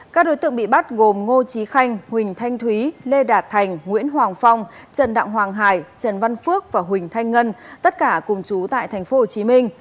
các đối tượng bị bắt gồm ngô trí khanh huỳnh thanh thúy lê đạt thành nguyễn hoàng phong trần đặng hoàng hải trần văn phước và huỳnh thanh ngân tất cả cùng chú tại tp hcm